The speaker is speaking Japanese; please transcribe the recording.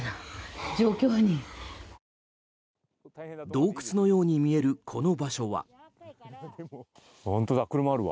洞窟のように見えるこの場所は。